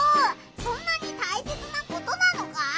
そんなにたいせつなことなのか？